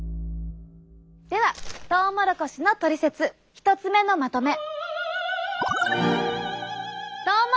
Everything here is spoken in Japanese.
ではトウモロコシのトリセツ１つ目のまとめ。